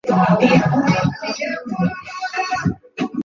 Alitumia fursa hiyo kueleza dhima ya Kongamano hilo